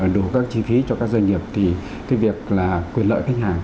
đủ các chi phí cho các doanh nghiệp thì cái việc là quyền lợi khách hàng